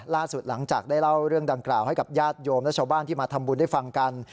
ล่าสุดหลังจากได้เล่าเรื่องดังกล่าวให้กับญาติโยมและชาวบ้านที่มาทำบุญได้ฟังกัน